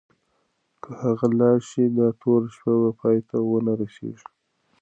که هغه لاړه شي، دا توره شپه به پای ته ونه رسېږي.